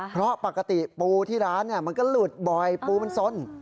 เพราะปกติปูที่ร้านมันก็หลุดบ่อยปูมันสน